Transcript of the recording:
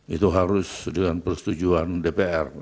itu harus dengan persetujuan dpr